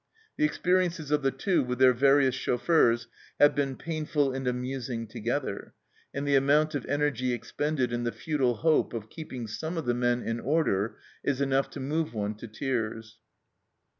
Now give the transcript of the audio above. The experiences of the Two with their various chauffeurs have been painful and amusing together, and the amount of energy expended in the futile hope of keeping some of the men in order is enough to move one to tears.